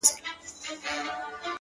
سپوږمۍ ترې وشرمېږي او الماس اړوي سترگي؛